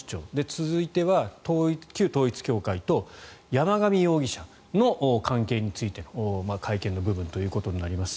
続いては、旧統一教会と山上容疑者の関係についての会見の部分となります。